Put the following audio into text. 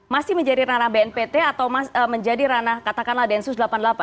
masih menjadi ranah bnpt atau menjadi ranah katakanlah densus delapan puluh delapan